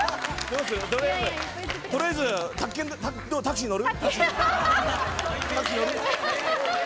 とりあえず今日、タクシー乗る？